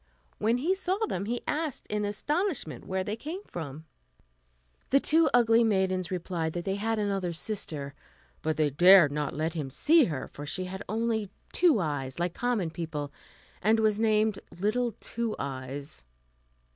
When he saw them, he asked in astonishment where they came from. The two ugly maidens replied that they had another sister, but they dared not let him see her, for she had only two eyes, like common people, and was named little Two Eyes.